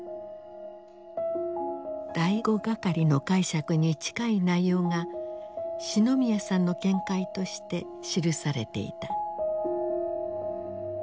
第五係の解釈に近い内容が四ノ宮さんの見解として記されていた。